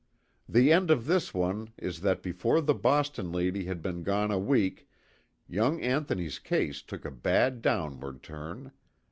The end of this one is that before the Boston lady had been gone a week young Anthony's case took a bad downward turn.